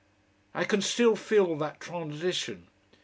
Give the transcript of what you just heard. I can still feel that transition.